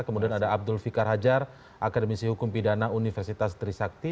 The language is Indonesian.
kemudian ada abdul fikar hajar akademisi hukum pidana universitas trisakti